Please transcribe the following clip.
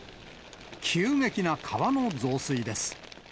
急激な川の増水です。